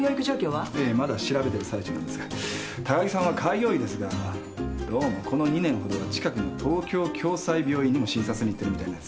ええまだ調べてる最中なんですが高木さんは開業医ですがどうもこの２年ほどは近くの東京共済病院にも診察に行ってるみたいなんです。